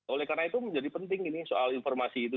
oleh karena itu menjadi penting ini soal informasi itu